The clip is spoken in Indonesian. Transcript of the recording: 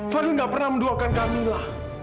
fadhil gak pernah menduakan kamila